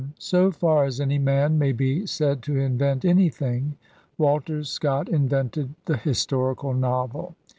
So far as any man may be said to invent anything, Walter Scott invented the historical novel.